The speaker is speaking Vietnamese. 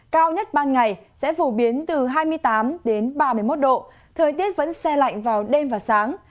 cao nhất ban ngày sẽ phổ biến từ hai mươi tám ba mươi một độ thời tiết vẫn xe lạnh vào đêm và sáng